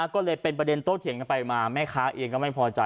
ก็เลยเป็นประเด็นโต้เถียงกันไปมาแม่ค้าเองก็ไม่พอใจ